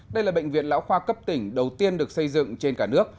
đây là bệnh viện lão khoa cấp tỉnh đầu tiên được xây dựng trên cả nước